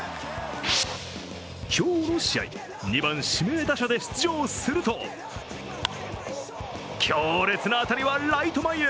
今日の試合、２番・指名打者で出場すると強烈な当たりはライト前へ。